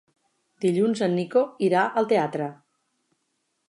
Dilluns en Nico irà al teatre.